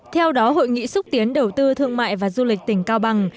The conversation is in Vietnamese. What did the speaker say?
theo đó hội nghị xúc tiến đầu tư thương mại và du lịch tỉnh cao bằng